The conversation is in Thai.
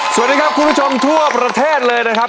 สวัสดีครับคุณผู้ชมทั่วประเทศเลยนะครับ